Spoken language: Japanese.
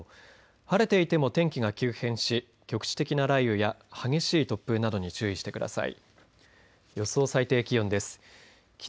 晴れていても天気が急変し局地的な雷雨や激しい突風などに注意してください。